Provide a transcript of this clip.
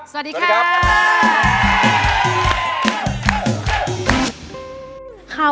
สวัสดีครับ